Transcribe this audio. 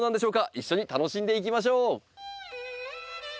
一緒に楽しんでいきましょう！